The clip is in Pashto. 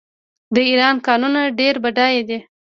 د ایران کانونه ډیر بډایه دي.